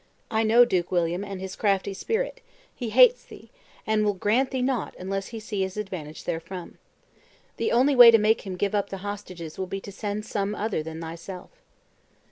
I know Duke William and his crafty spirit; he hates thee, and will grant thee nought unless he see his advantage therefrom. The only way to make him give up the hostages will be to send some other than thyself."